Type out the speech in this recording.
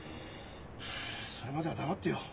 はあそれまでは黙ってよう。